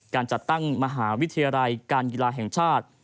การจัดตั้งมหาวิทยาลัยการกีฬาแห่งชาติ